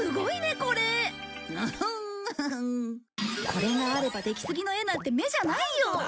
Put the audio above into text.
これがあれば出木杉の絵なんて目じゃないよ。